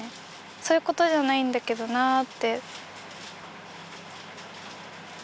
そういうことじゃないんだけどなって。